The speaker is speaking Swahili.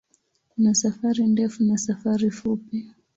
Kuna safari ndefu na safari fupi.